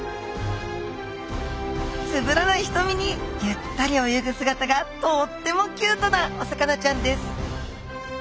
つぶらなひとみにゆったり泳ぐ姿がとってもキュートなお魚ちゃんです。